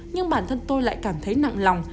nhưng bản thân tôi lại cảm thấy nặng lòng